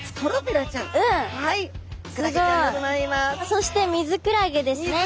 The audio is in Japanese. そしてミズクラゲですね。